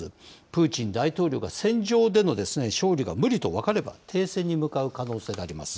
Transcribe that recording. プーチン大統領が戦場での勝利が無理と分かれば停戦に向かう可能性があります。